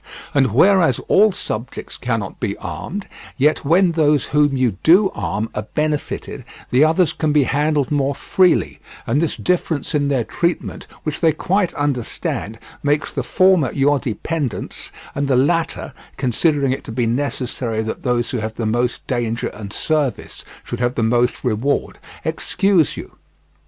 And whereas all subjects cannot be armed, yet when those whom you do arm are benefited, the others can be handled more freely, and this difference in their treatment, which they quite understand, makes the former your dependents, and the latter, considering it to be necessary that those who have the most danger and service should have the most reward, excuse you.